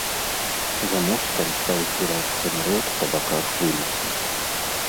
За мостам стаў збірацца народ па баках вуліцы.